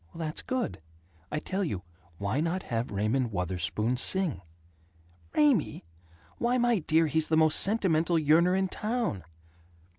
"That's good. I tell you: why not have Raymond Wutherspoon sing?" "Raymie? Why, my dear, he's the most sentimental yearner in town!"